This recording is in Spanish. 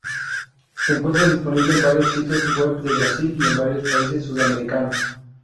Se encuentra disponible en varios sitios web de Brasil y en varios países sudamericanos.